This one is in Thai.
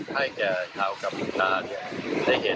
ให้แก่ข่าวกับสวนตาเนี่ยได้เห็น